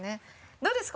どうですか？